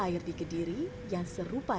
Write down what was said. air di kediri yang serupa